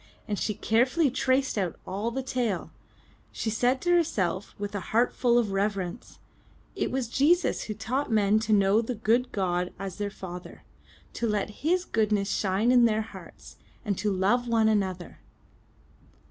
As she carefully traced out all the tale, she said to herself with a heart full of reverence: *'It was Jesus who taught men to know the good God as their father, to let His goodness shine in their hearts, and to love one another."